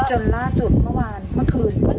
จนหน้าจุดเมื่อคืน